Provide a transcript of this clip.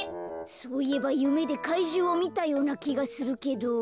そういえばゆめでかいじゅうをみたようなきがするけど。